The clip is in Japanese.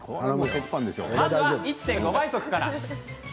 まずは１．５倍速から。